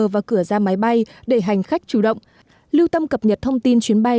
và cửa ra máy bay để hành khách chủ động lưu tâm cập nhật thông tin chuyến bay